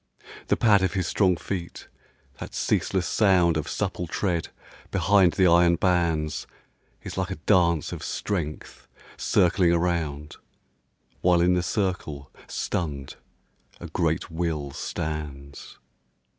The pad of his strong feet, that ceaseless sound Of supple tread behind the iron bands, Is like a dance of strength circling around, While in the circle, stunned, a great will stands.